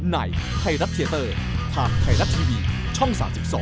ในไทยรัฐเทียเตอร์ทางไทยรัฐทีวีช่อง๓๒